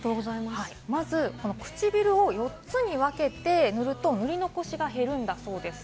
まず唇を４つに分けて塗ると塗り残しが減るんだそうです。